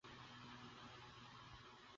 এতে হিংসার কী আছে?